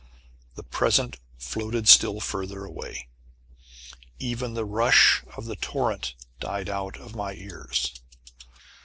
The present floated still further away. Even the rush of the torrent died out of my ears.